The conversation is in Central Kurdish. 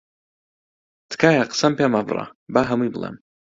تکایە قسەم پێ مەبڕە، با هەمووی بڵێم.